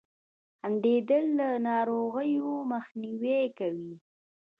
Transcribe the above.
• خندېدل له ناروغیو مخنیوی کوي.